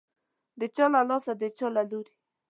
د چا له لاسه، د چا له لوري